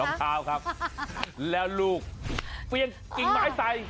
รองเท้าครับแล้วลูกเปลี่ยนกิ่งไม้ใส่